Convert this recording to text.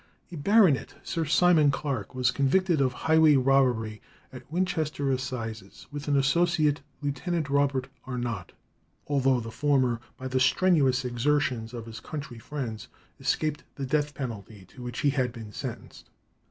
A baronet, Sir Simon Clarke, was convicted of highway robbery at Winchester assizes, with an associate, Lieutenant Robert Arnott; although the former, by the strenuous exertions of his country friends, escaped the death penalty to which he had been sentenced.